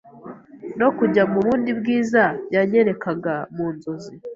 no kujya mu bundi bwiza yanyerekaga mu nzozi,